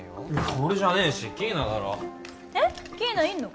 俺じゃねえしキイナだろえっキイナいんの？